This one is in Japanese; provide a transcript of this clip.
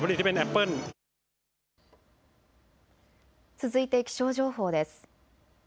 続いて気象情報です。